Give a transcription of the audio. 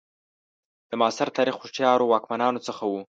د معاصر تاریخ هوښیارو واکمنانو څخه وو.